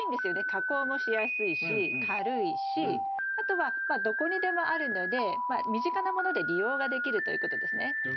加工もしやすいし軽いしあとはまあどこにでもあるのでまあ身近なもので利用ができるということですね。